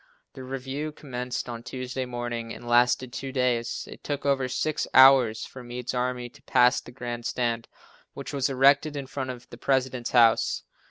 The review commenced on Tuesday morning and lasted two days. It took over six hours for Meade's army to pass the grand stand, which was erected in front of the President's house.